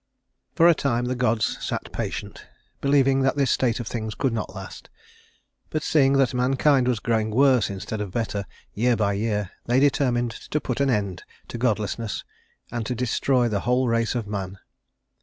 For a time the gods sat patient, believing that this state of things could not last; but seeing that mankind was growing worse instead of better, year by year, they determined to put an end to godlessness and to destroy the whole race of man.